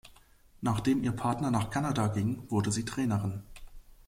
Nachdem ihr Partner nach Kanada ging, wurde sie Trainerin.